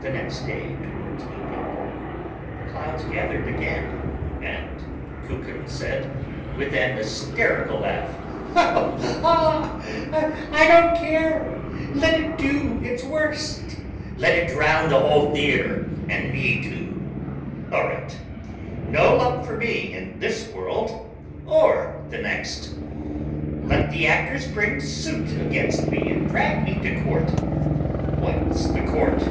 The next day towards evening the clouds gathered again, and Kukin said with an hysterical laugh: "Oh, I don't care. Let it do its worst. Let it drown the whole theatre, and me, too. All right, no luck for me in this world or the next. Let the actors bring suit against me and drag me to court. What's the court?